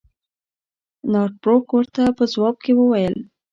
نارت بروک ورته په ځواب کې وویل.